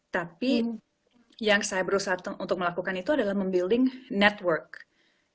tapi yang saya berusaha untuk melakukan itu adalah membilling network